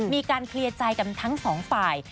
มีการเคลียร์ใจกันทั้งสองฝ่าย